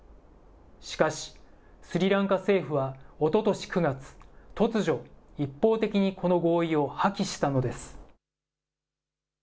しかし、スリランカ政府はおととし９月、突如、一方的にこの合意を破棄したのです。